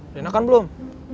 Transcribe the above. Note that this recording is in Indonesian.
udah enakan belum